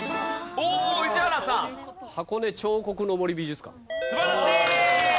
おお宇治原さん！素晴らしい！